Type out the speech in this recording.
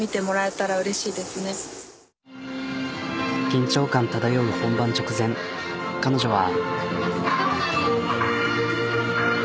緊張感漂う本番直前彼女は。